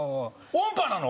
音波なの？